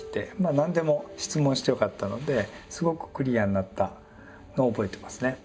何でも質問してよかったのですごくクリアになったのを覚えてますね。